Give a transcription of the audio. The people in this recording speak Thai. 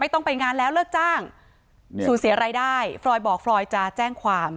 ต้องไปงานแล้วเลิกจ้างสูญเสียรายได้ฟรอยบอกฟรอยจะแจ้งความ